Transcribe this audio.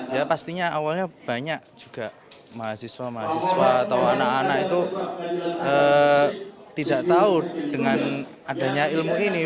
ya pastinya awalnya banyak juga mahasiswa mahasiswa atau anak anak itu tidak tahu dengan adanya ilmu ini